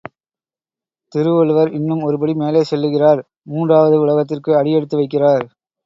திருவள்ளுவர் இன்னும் ஒருபடி மேலே செல்லுகிறார் மூன்றாவது உலகத்திற்கு அடியெடுத்து வைக்கிறார்.